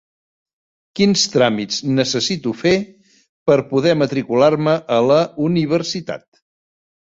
Quins tràmits necessito fer per poder matricular-me a la universitat?